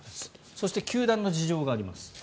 そして、球団の事情があります。